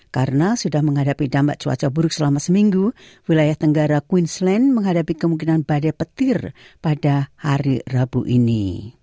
karena sudah menghadapi dampak cuaca buruk selama seminggu wilayah tenggara queensland menghadapi kemungkinan badai petir pada hari rabu ini